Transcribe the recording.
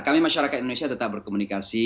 kami masyarakat indonesia tetap berkomunikasi